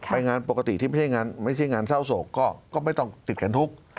ไปงานปกติที่ไม่ใช่งานเศร้าโศกก็ไม่ต้องติดกันทุก